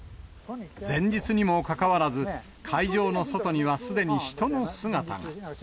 前日にもかかわらず、会場の外にはすでに人の姿が。